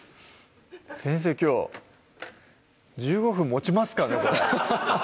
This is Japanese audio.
先生きょう１５分もちますかね